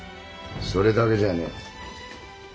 それだけじゃねえ。